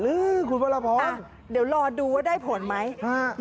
หรือคุณพระราพรเดี๋ยวรอดูว่าได้ผลไหมฮะ